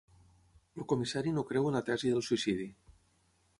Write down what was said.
El comissari no creu en la tesi del suïcidi.